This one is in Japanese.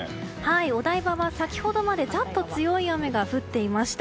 お台場は先ほどまでざっと強い雨が降っていました。